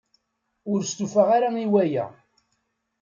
Ur stufaɣ ara i waya.